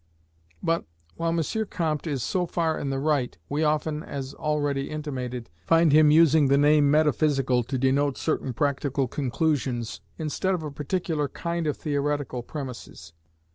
But, while M. Comte is so far in the right, we often, as already intimated, find him using the name metaphysical to denote certain practical conclusions, instead of a particular kind of theoretical premises.